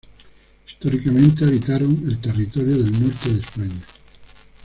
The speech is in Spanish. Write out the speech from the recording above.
Históricamente habitaron el territorio del norte de España.